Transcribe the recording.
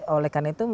oleh karena itu